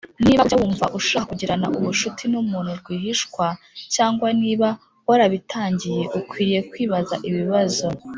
Niba ujya wumva ushaka kugirana ubucuti n umuntu rwihishwa cyangwa niba warabitangiye ukwiriye kwibaza ibi bibazo